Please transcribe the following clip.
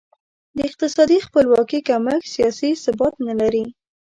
د اقتصادي خپلواکي کمښت سیاسي ثبات نه لري.